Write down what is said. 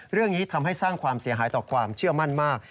เรื่องนี้ทำให้สร้างความเสียหายต่อความเชื่อมั่นมาก